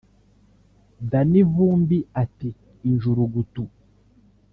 Danny Vumbi ati “Injurugutu